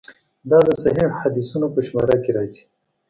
دا د صحیحو حدیثونو په شمار کې راځي.